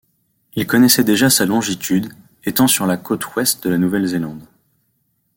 Il connaissait déjà sa longitude, étant sur la côte ouest de la Nouvelle-Zélande.